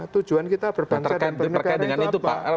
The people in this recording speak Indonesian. tujuan kita berpancar dan bernegara itu apa